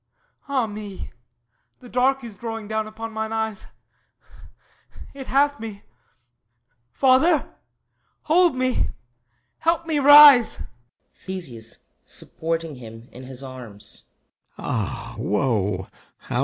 ... Ah me, The dark is drawing down upon mine eyes; It hath me! ... Father! ... Hold me! Help me rise! THESEUS (supporting him in his arms) Ah, woe!